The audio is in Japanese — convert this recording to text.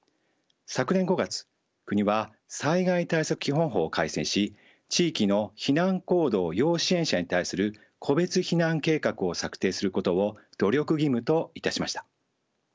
昨年５月国は災害対策基本法を改正し地域の避難行動要支援者に対する個別避難計画を策定することを努力義務といたしました。